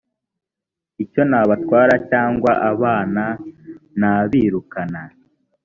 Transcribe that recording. icyo nabatwara cyangwa abana nabirukana?